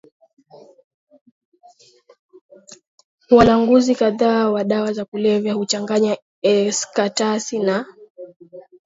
walanguzi kadhaa wa dawa za kulevya huchanganya ecstasy na